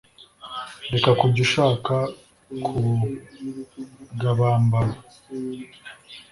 reka kujya ushaka ku gabambana